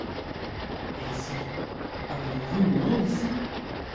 Et Ici ? avez vous vu mon monde ici ?